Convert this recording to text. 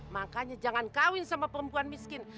makanya jangan kawin sama perempuan miskin